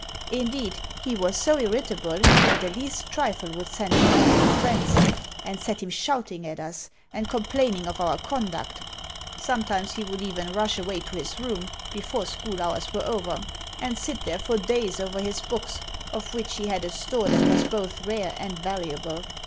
Indeed, he was so irritable that the least trifle would send him into a frenzy, and set him shouting at us, and complaining of our conduct. Sometimes he would even rush away to his room before school hours were over, and sit there for days over his books, of which he had a store that was both rare and valuable.